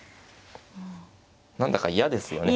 何だか嫌ですよね。